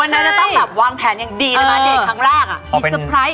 วันนั้นจะต้องกลับวางแผนอย่างดีแล้วนะเดทครั้งแรก